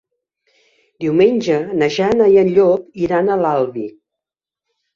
Diumenge na Jana i en Llop iran a l'Albi.